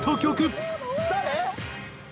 「誰！？」